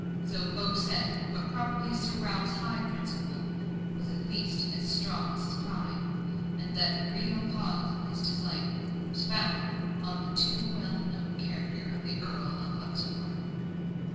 So folk said; but probably Sir Ralph's high principle was at least as strong as his pride, and that the real cause of his dislike was founded on the too well known character of the Earl of Luxmore.